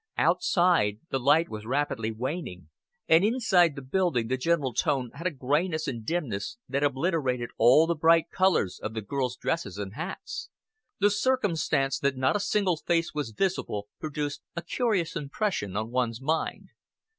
Outside, the light was rapidly waning, and inside the building the general tone had a grayness and dimness that obliterated all the bright colors of the girls' dresses and hats. The circumstance that not a single face was visible produced a curious impression on one's mind.